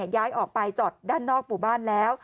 ย้ายออกไปจอดด้านนอกหมู่บ้านแล้ว